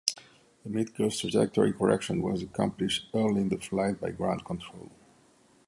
The midcourse trajectory correction was accomplished early in the flight by ground control.